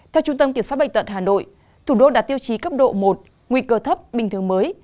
theo trung tâm kiểm soát bệnh tận hà nội thủ đô đạt tiêu chí cấp độ một nguy cơ thấp bình thường mới